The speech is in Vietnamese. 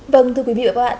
vâng thưa quý vị và các bạn